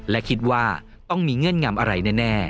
และคิดว่าต้องมีเงื่อนงำอะไรแน่